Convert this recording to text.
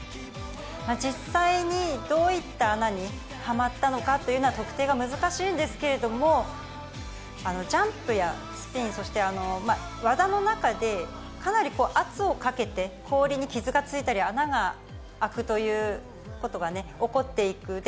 実際にどういった穴にはまったのかというのは、特定が難しいんですけれども、ジャンプやスピン、そして技の中で、かなり圧をかけて、氷に傷がついたり、穴が開くということがね、起こっていく。